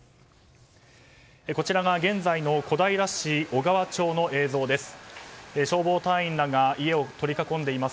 こちらが現在の小平市の映像です。